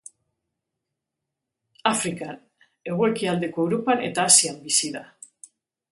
Afrikan, hego-ekialdeko Europan eta Asian bizi da.